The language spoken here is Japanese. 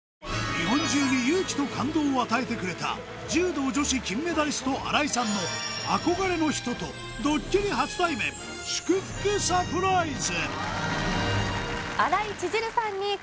日本中に勇気と感動を与えてくれた柔道女子金メダリスト新井さんの憧れの人とドッキリ初対面祝福サプライズ